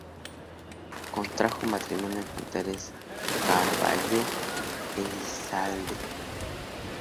Contrajo matrimonio con Teresa Carvallo Elizalde.